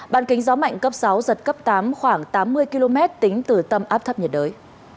bàn kính gió mạnh cấp sáu giật cấp tám khoảng tám mươi km tính từ tâm áp thấp nhiệt đới